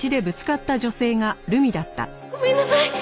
ごめんなさい。